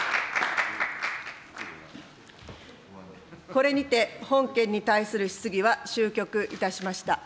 これにて本件に対する質疑は終局いたしました。